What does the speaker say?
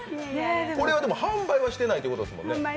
これは販売してないってことですもんね。